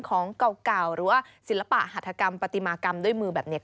ของเก่าหรือว่าศิลปะหัฐกรรมปฏิมากรรมด้วยมือแบบนี้